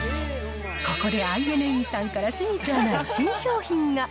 ここでＩーｎｅさんから清水アナへ新商品が。